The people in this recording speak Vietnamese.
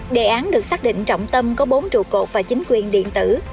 đề án được xác định trọng tâm có bốn trụ cột và chính quyền điện tử